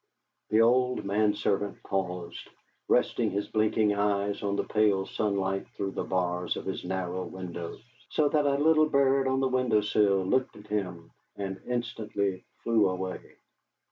The old manservant paused, resting his blinking eyes on the pale sunlight through the bars of his narrow window, so that a little bird on the window sill looked at him and instantly flew away.